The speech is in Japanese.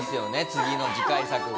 次の次回作が。